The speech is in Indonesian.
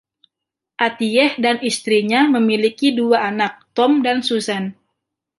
Atiyeh dan istrinya memiliki dua anak, Tom dan Suzanne.